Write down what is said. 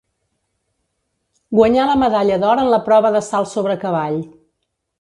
Guanyà la medalla d'or en la prova del salt sobre cavall.